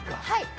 はい。